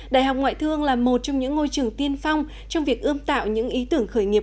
đại học ngoại thương là một trong những ngôi trường tiên phong trong việc ươm tạo những ý tưởng khởi nghiệp